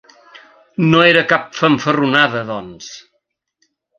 No era cap fanfarronada, doncs.